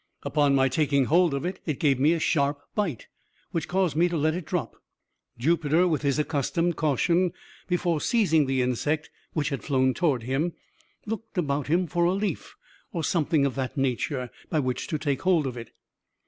Upon my taking hold of it, it gave me a sharp bite, which caused me to let it drop. Jupiter, with his accustomed caution, before seizing the insect, which had flown toward him, looked about him for a leaf, or something of that nature, by which to take hold of it.